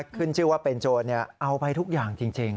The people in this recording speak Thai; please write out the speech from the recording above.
ขึ้นชื่อว่าเป็นโจรเอาไปทุกอย่างจริง